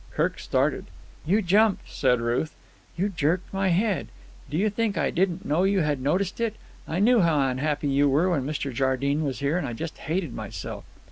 Kirk started. "You jumped!" said Ruth. "You jerked my head. Do you think I didn't know you had noticed it? I knew how unhappy you were when Mr. Jardine was here, and I just hated myself."